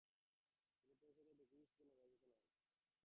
তিনি পরিষদের deputy speaker নির্বাচিত হন।